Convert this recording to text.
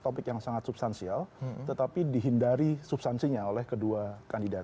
topik yang sangat substansial tetapi dihindari substansinya oleh kedua kandidat